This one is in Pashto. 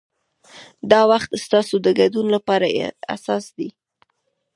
دا وخت ستاسو د ګډون لپاره حساس دی.